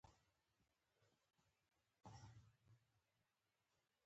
لیکوال یې د خپل خواږه قلم په وجه درباندې لولي.